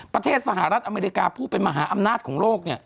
ประเทศสหรัฐอเมริกาผู้เป็นมหาอำนาจของโลก